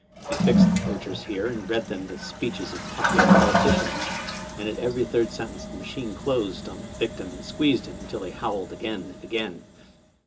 He fixed the poachers here and read them the speeches of popular politicians^ and at every third sentence the machine closed on the victim and squeezed him till he howled again and again.